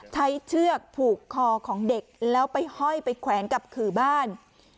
เชือกผูกคอของเด็กแล้วไปห้อยไปแขวนกับขื่อบ้าน